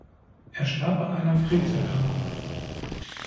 Er starb an einer Krebserkrankung.